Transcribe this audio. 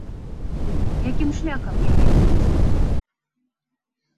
Якім шляхам яе вывезлі?